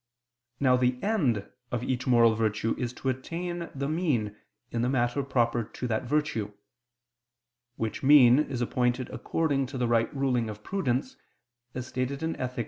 Now the end of each moral virtue is to attain the mean in the matter proper to that virtue; which mean is appointed according to the right ruling of prudence, as stated in _Ethic.